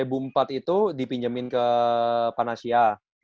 iya dua ribu empat itu dipinjemin ke panasih ya